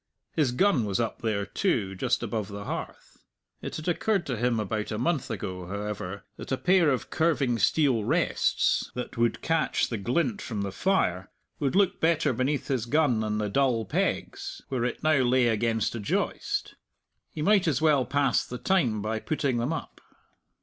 His gun was up there, too, just above the hearth. It had occurred to him about a month ago, however, that a pair of curving steel rests, that would catch the glint from the fire, would look better beneath his gun than the dull pegs, where it now lay against a joist. He might as well pass the time by putting them up.